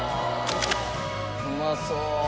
うまそう。